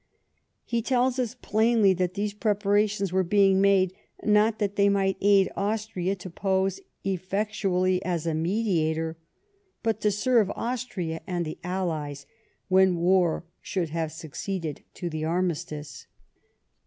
He tells us plainly that these pre parations were being made, not that they might aid Austria to pose effectually as a mediator, but to serve Austria and the Allies, when war should have succeeded to the armistice.